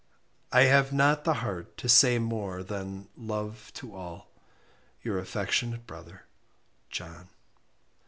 I have not the heart to say more than love to all. Your affectionate brother JOHN."